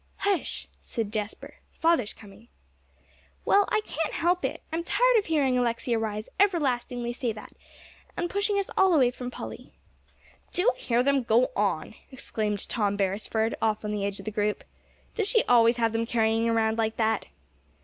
"Hush!" said Jasper. "Father's coming." "Well, I can't help it. I'm tired of hearing Alexia Rhys everlastingly saying that, and pushing us all away from Polly." "Do hear them go on!" exclaimed Tom Beresford, off on the edge of the group. "Does she always have them carrying around like that?"